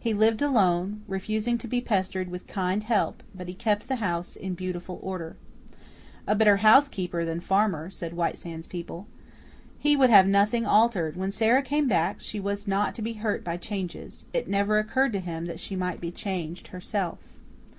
He lived alone, refusing to be pestered with kind help, but he kept the house in beautiful order. "A better housekeeper than farmer," said White Sands people. He would have nothing altered. When Sara came back she was not to be hurt by changes. It never occurred to him that she might be changed herself.